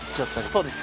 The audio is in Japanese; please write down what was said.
そうです。